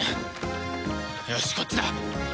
よしこっちだ。